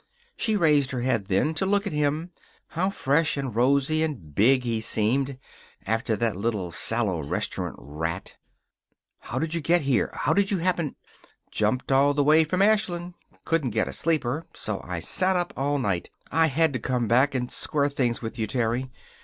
She raised her head then, to look at him. How fresh and rosy and big he seemed, after that little sallow restaurant rat. "How did you get here? How did you happen ?" "Jumped all the way from Ashland. Couldn't get a sleeper, so I sat up all night. I had to come back and square things with you, Terry.